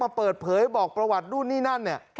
มาเปิดเผยบอกประวัติรุ่นนี่นั่น